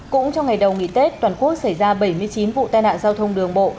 cũng trong ngày đầu nghỉ tết toàn quốc xảy ra bảy mươi chín vụ tai nạn giao thông đường bộ